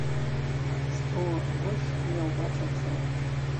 Што больш не ўбачымся.